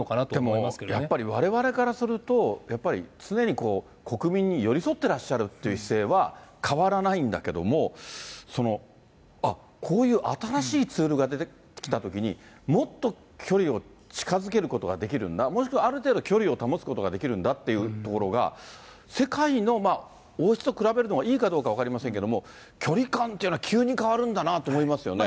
でもやっぱりわれわれからすると、やっぱり常にこう、国民に寄り添ってらっしゃるっていう姿勢は、変わらないんだけれども、こういう新しいツールが出てきたときに、もっと距離を近づけることができるんだ、もしくはある程度距離を保つことができるんだっていうところが、世界の王室と比べるのがいいかどうか分かりませんけども、距離感っていうのは急に変わるんだなと思いますね。